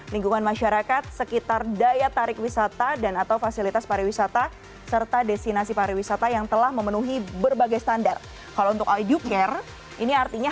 sertifikat idu care ini diberikan ke usaha pariwisata usaha fasilitas lain terkait dengan pariwisata